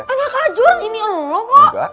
anak hajur ini elu loh kok